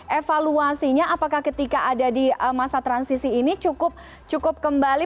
evaluasinya apakah ketika ada di masa transisi ini cukup kembali